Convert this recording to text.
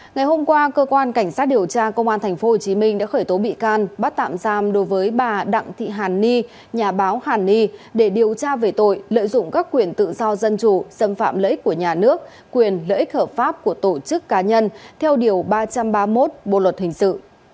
ngày hôm qua cơ quan cảnh sát điều tra công an tp hcm đã khởi tố bị can bắt tạm giam đối với bà đặng thị hàn ni nhà báo hàn ni để điều tra về tội lợi dụng các quyền tự do dân chủ xâm phạm lợi ích của nhà nước quyền lợi ích hợp pháp của tổ chức cá nhân theo điều ba trăm ba mươi một bộ luật hình sự